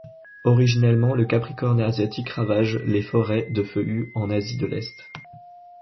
Originellement, le capricorne asiatique ravage les forêts de feuillus en Asie de l'Est.